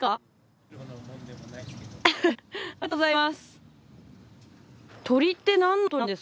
ありがとうございます。